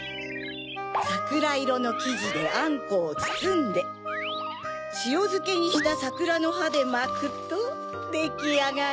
さくらいろのきじであんこをつつんでしおづけにしたさくらのはでまくとできあがり。